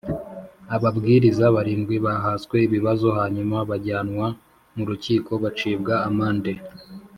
Ababwiriza barindwi bahaswe ibibazo hanyuma bajyanwa mu rukiko bacibwa amande